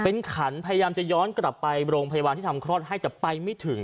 เป็นขันพยายามจะย้อนกลับไปโรงพยาบาลที่ทำคลอดให้แต่ไปไม่ถึง